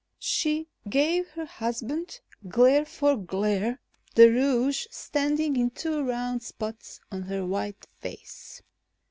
She gave her husband glare for glare, the rouge standing in two round spots on her white face.